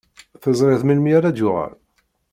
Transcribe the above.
Teẓriḍ melmi ara d-yuɣal?